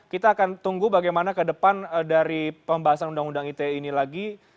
kita akan tunggu bagaimana ke depan dari pembahasan undang undang ite ini lagi